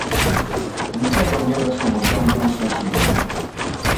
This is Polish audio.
niczego nie da się osiągnąć na siłę